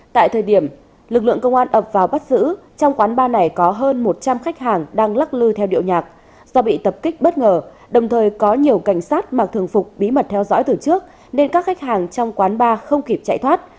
tại thời điểm lực lượng công an ập vào bắt giữ trong quán bar này có hơn một trăm linh khách hàng đang lắc lư theo điệu nhạc do bị tập kích bất ngờ đồng thời có nhiều cảnh sát mặc thường phục bí mật theo dõi từ trước nên các khách hàng trong quán bar không kịp chạy thoát